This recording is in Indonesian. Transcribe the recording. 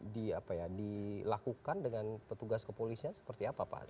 di apa ya dilakukan dengan petugas kepolisian seperti apa pak